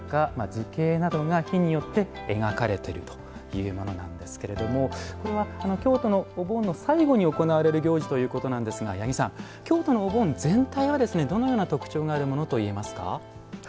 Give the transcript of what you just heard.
図形などが火によって描かれているというものですがこれは京都のお盆の最後に行われる行事ということですが八木さん、京都のお盆全体はどのような特徴があるものといえますか？